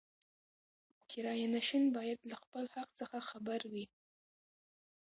کرایه نشین باید له خپل حق څخه خبر وي.